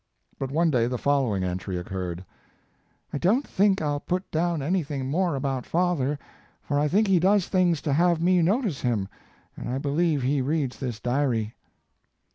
But one day the following entry occurred: "I don t think I ll put down anything more about father, for I think he does things to have me rot ice him, and I be lieve he reads this diary."